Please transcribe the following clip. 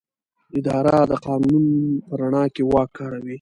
اداره د قانون په رڼا کې واک کاروي.